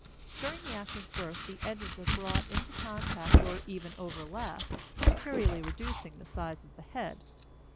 During the act of birth the edges are brought into contact or even overlap, materially reducing the size of the head.